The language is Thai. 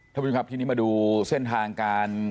ท่านผู้ชมครับทีนี้มาดูเส้นทางการ